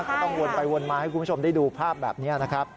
ก็ต้องวนไปวนมาให้คุณผู้ชมได้ดูภาพแบบนี้นะครับ